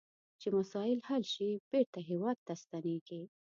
چې مسایل حل شي بیرته هیواد ته ستنیږي.